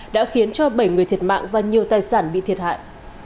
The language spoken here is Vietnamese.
đã khiến cho bảy người thiệt mạng và nhiều tài sản bị thiệt hại